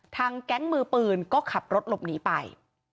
แก๊งมือปืนก็ขับรถหลบหนีไป